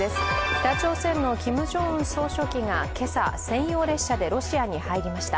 北朝鮮のキム・ジョンウン総書記が今朝、専用列車でロシアに入りました。